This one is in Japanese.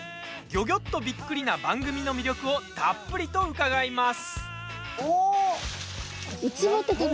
ギョギョっとびっくりな番組の魅力をたっぷりと伺います。